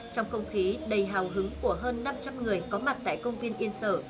trong không khí đầy hào hứng của hơn năm trăm linh người có mặt tại công viên yên sở